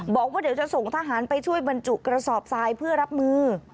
บอกว่าเดี๋ยวจะส่งทหารไปช่วยบรรจุกระสอบทรายเพื่อรับมือ